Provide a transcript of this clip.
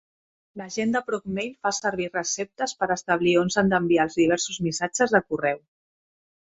L'agent de procmail fa servir receptes per establir on s'han d'enviar els diversos missatges de correu.